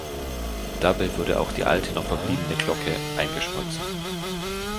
Dabei wurde auch die alte noch verbliebene Glocke eingeschmolzen.